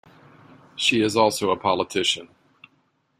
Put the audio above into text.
She is also a politician.